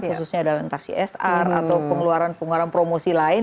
khususnya dalam taksi sr atau pengeluaran pengeluaran promosi lain